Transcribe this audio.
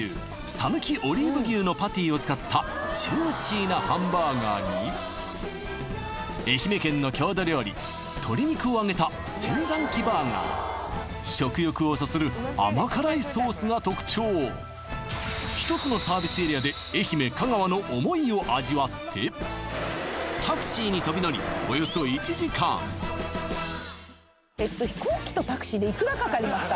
讃岐オリーブ牛のパティを使ったジューシーなハンバーガーに愛媛県の郷土料理鶏肉を揚げたせんざんきバーガー食欲をそそる甘辛いソースが特徴１つのサービスエリアで愛媛香川の思いを味わってタクシーに飛び乗りおよそ１時間かかりました？